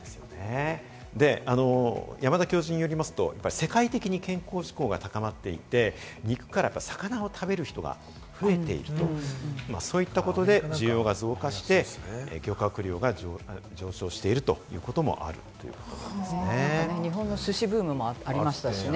山田教授によりますと、世界的に健康志向が高まっていて、肉から魚を食べる人が増えていると、そういったことで需要が増加して漁獲量が上昇しているということ日本の寿司ブームもありましたしね。